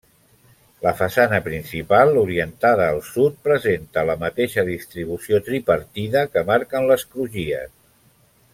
La façana principal, orientada al sud, presenta la mateixa distribució tripartida que marquen les crugies.